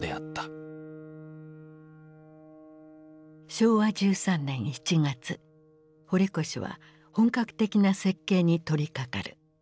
昭和１３年１月堀越は本格的な設計に取りかかる。